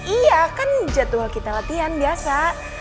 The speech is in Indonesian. iya kan jadwal kita latihan biasa